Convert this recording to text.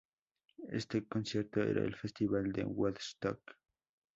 Ese concierto era el Festival de Woodstock.